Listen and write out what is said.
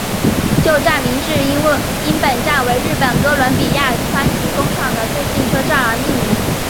旧站名是因本站为日本哥伦比亚川崎工厂的最近车站而命名。